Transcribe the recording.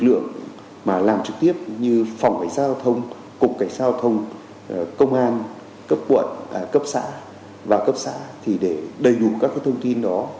lực lượng mà làm trực tiếp như phòng cảnh sát giao thông cục cảnh sát giao thông công an cấp quận cấp xã và cấp xã thì để đầy đủ các thông tin đó